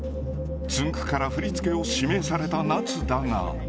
つんく♂から振り付けを指名された夏だが。